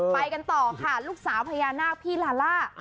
ไปกันต่อค่ะลูกสาวพญานาคพี่ลาล่า